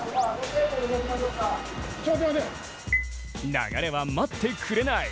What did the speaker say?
流れは待ってくれない。